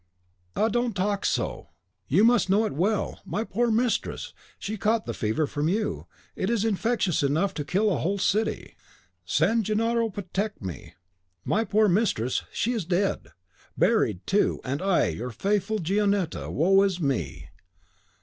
"Ah! don't talk so; you must know it well: my poor mistress, she caught the fever from you; it is infectious enough to kill a whole city. San Gennaro protect me! My poor mistress, she is dead, buried, too; and I, your faithful Gionetta, woe is me!